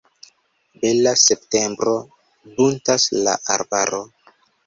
Bela septembro - buntas la arbaro.